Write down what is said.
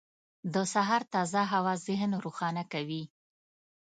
• د سهار تازه هوا ذهن روښانه کوي.